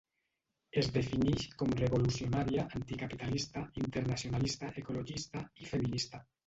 Es definix com revolucionària, anticapitalista, internacionalista, ecologista i feminista.